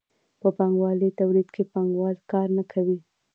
په پانګوالي تولید کې پانګوال کار نه کوي.